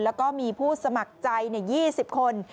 แล้วก็มีผู้สมัครใจ๒๐คน